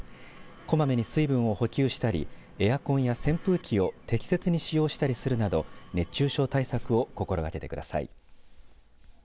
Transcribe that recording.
こまめに水分を補給したりエアコンや扇風機を適切に使用したりするなど熱中症対策を心がけてください。